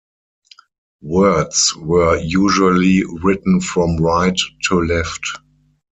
Words were usually written from right to left.